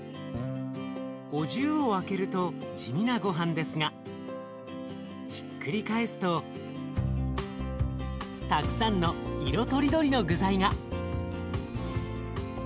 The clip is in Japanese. お重を開けると地味なごはんですがひっくり返すとたくさんの色とりどりの具材が。